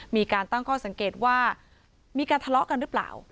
มีการตั้งข้อสังเกตว่ามีการทะเลาะกันหรือเปล่า